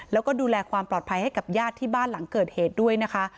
แล้วก็ดูแลความปลอดภัยให้กับญาติที่บ้านหลังเกิดเหตุด้วยนะคะ